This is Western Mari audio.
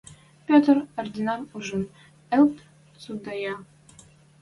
Петр, Оринӓм ужын, йӹлт цӱдейӓ.